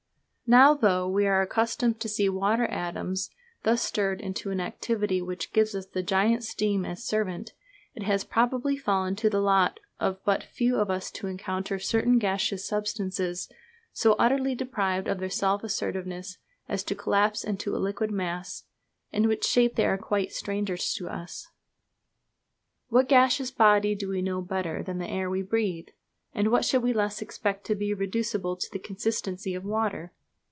Now, though we are accustomed to see water atoms thus stirred into an activity which gives us the giant steam as servant, it has probably fallen to the lot of but few of us to encounter certain gaseous substances so utterly deprived of their self assertiveness as to collapse into a liquid mass, in which shape they are quite strangers to us. What gaseous body do we know better than the air we breathe? and what should we less expect to be reducible to the consistency of water?